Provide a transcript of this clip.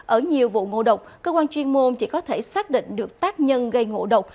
ở nhiều vụ ngộ độc cơ quan chuyên môn chỉ có thể xác định được tác nhân gây ngộ độc